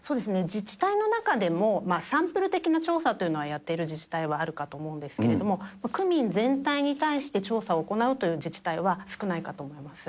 自治体の中でも、サンプル的な調査というのはやっている自治体はあるかと思うんですけれども、区民全体に対して調査を行うという自治体は少ないかと思います。